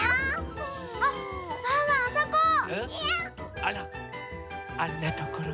あらあんなところに。